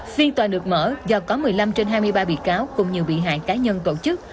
phiên tòa được mở do có một mươi năm trên hai mươi ba bị cáo cùng nhiều bị hại cá nhân tổ chức